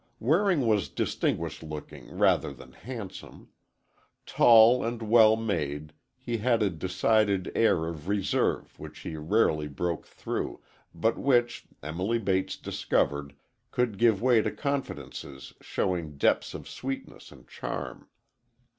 Waring was distinguished looking rather than handsome. Tall and well made, he had a decided air of reserve which he rarely broke through, but which, Emily Bates discovered, could give way to confidences showing depths of sweetness and charm.